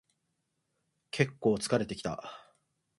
けっこう疲れてきた